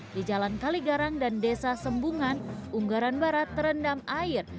di jalan kaligarang dan desa sembungan unggaran barat terendam air